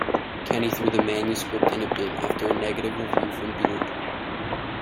Kenney threw the manuscript in a bin after a negative review from Beard.